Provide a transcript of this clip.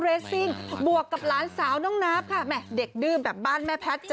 เดี๋ยวจะโดนโป่งโป่งโป่งโป่งโป่ง